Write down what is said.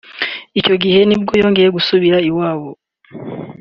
Icyo gihe ni bwo yongeye gusubira iwabo